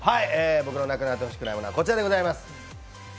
僕の無くなってほしくないものはこちらでございます。